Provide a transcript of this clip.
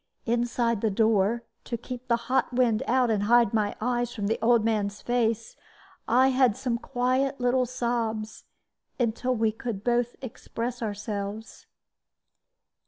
Inside the door, to keep the hot wind out and hide my eyes from the old man's face, I had some little quiet sobs, until we could both express ourselves.